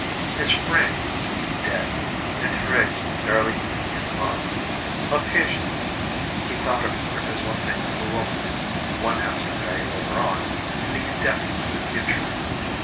His frame seemed dead, and Thérèse barely entered his mind. Occasionally he thought of her as one thinks of a woman one has to marry later on, in the indefinite future.